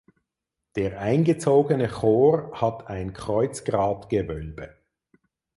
Der eingezogene Chor hat ein Kreuzgratgewölbe.